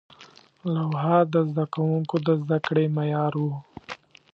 لوحه د زده کوونکو د زده کړې معیار و.